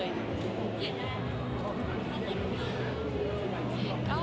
อิอิทำคือตัวเป็นมั่ง